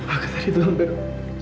aku tadi tuh sampai